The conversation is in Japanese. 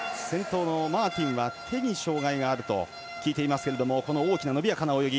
マーティンは手に障がいがあると聞いていますが大きな伸びやかな泳ぎ。